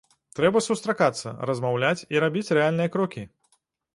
Трэба сустракацца, размаўляць і рабіць рэальныя крокі.